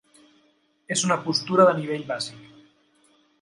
És una postura de nivell bàsic.